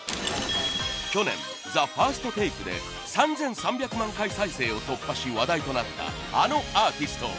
去年「ＴＨＥＦＩＲＳＴＴＡＫＥ」で３３００万回再生を突破し話題となったあのアーティスト。